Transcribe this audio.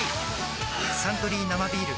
「サントリー生ビール」